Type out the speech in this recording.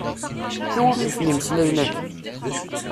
I wumi-ten imeslayen-agi?